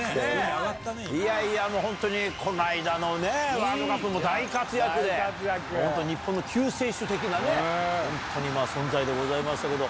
いやいや、もう本当に、この間のね、ワールドカップももう大活躍で、本当、日本の救世主的なね、本当に存在でございましたけど。